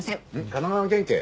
神奈川県警？